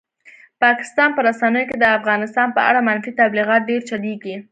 پاکستان په رسنیو کې د افغانستان په اړه منفي تبلیغات ډېر چلېږي.